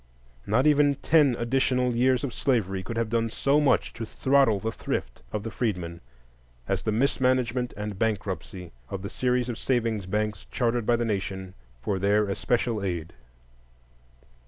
Not even ten additional years of slavery could have done so much to throttle the thrift of the freedmen as the mismanagement and bankruptcy of the series of savings banks chartered by the Nation for their especial aid.